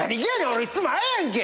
俺いつもああやんけ！